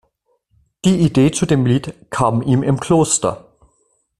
Die Idee zu dem Lied kam ihm im Kloster.